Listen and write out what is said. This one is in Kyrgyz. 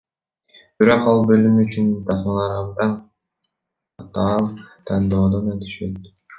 Бирок ал бөлүм үчүн тасмалар абдан катаал тандоодон өтүшөт.